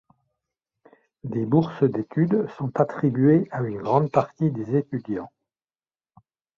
Des bourses d'études sont attribuées à une grande partie des étudiants.